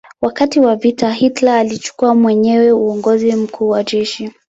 Wakati wa vita Hitler alichukua mwenyewe uongozi mkuu wa jeshi.